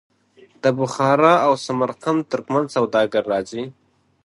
د بخارا او سمرقند ترکمن سوداګر راځي.